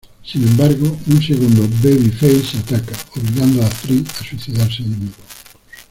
Sin embargo, un segundo Babyface ataca, obligando a Tree a suicidarse de nuevo.